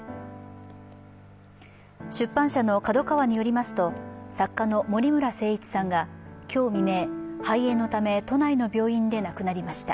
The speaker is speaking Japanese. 出版社のＫＡＤＯＫＡＷＡによりますと作家の森村誠一さんが今日未明、肺炎のため都内の病院で亡くなりました。